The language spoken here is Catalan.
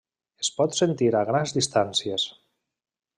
Es pot sentir a grans distàncies.